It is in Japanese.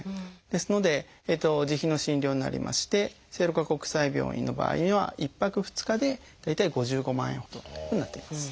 ですので自費の診療になりまして聖路加国際病院の場合には１泊２日で大体５５万円ほどというふうになってます。